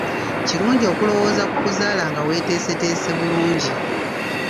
Kirungi okulowooza ku kuzaala nga weeteeseteese bulungi.